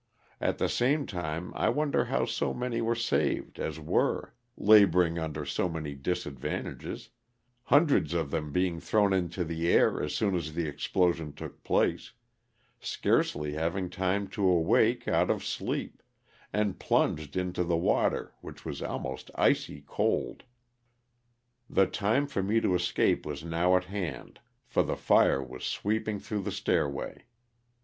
At the same time I wonder how so many were saved as were, laboring under so many disadvantages, hundreds of them being thrown into the air as soon as the ex plosion took place, — scarcely having time to awake out LOSS OP THE SULTANA. 59 of sleep, — and plunged into the water which was almost icy cold. The time for me to escape was now at hand for the fire was sweeping through the stairway.